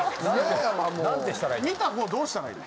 見た方どうしたらいいの？